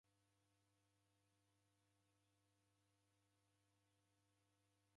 Poilwa ni kila chia ya charo chako.